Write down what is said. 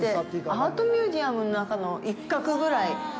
アートミュージアムの中の一角ぐらい。